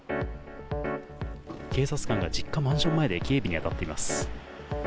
警察官が実家マンション前で警備に当たっています。